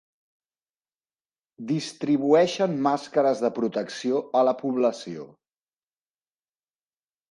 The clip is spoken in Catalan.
Distribueixen màscares de protecció a la població.